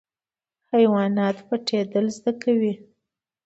حیوانات پټیدل زده کوي